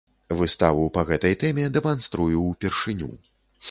Выставу па гэтай тэме дэманструю ўпершыню.